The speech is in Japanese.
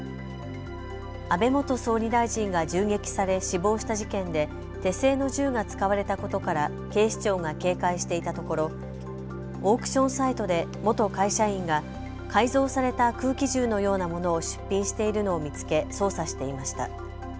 安倍元総理大臣が銃撃され死亡した事件で手製の銃が使われたことから警視庁が警戒していたところ、オークションサイトで元会社員が改造された空気銃のようなものを出品しているのを見つけ捜査していました。